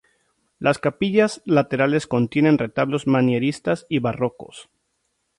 Las capillas laterales contienen retablos manieristas y barrocos.